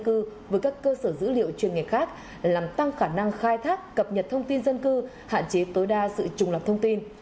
cơ sở dữ liệu quốc gia về dân cư với các cơ sở dữ liệu chuyên nghiệp khác làm tăng khả năng khai thác cập nhật thông tin dân cư hạn chế tối đa sự trùng lập thông tin